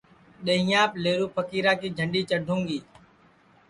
ڈؔیہینٚیاپ لیہرو پھکیرا کی جھنڈؔی چڈوں گی